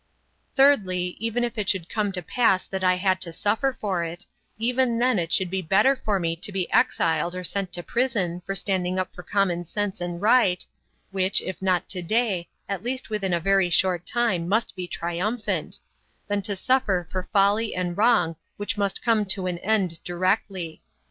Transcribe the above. Thirdly, even if it should come to pass that I had to suffer for it, even then it would be better for me to be exiled or sent to prison for standing up for common sense and right which, if not to day, at least within a very short time, must be triumphant than to suffer for folly and wrong which must come to an end directly.